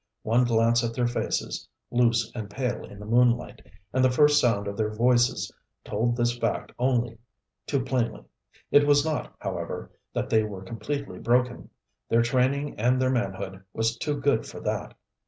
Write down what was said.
One glance at their faces, loose and pale in the moonlight, and the first sound of their voices told this fact only too plainly. It was not, however, that they were completely broken. Their training and their manhood was too good for that.